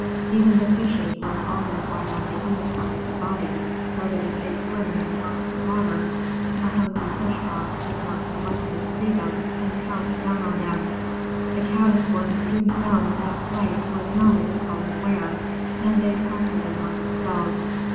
Even the fishes wear all their white on the under side of their bodies, so that if they swim near the top of the water, a hungry Fish Hawk is not so likely to see them and pounce down on them. The Caddis Worms soon found that white was not a good color to wear, and they talked of it among themselves.